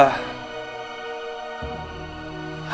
gusti prat bu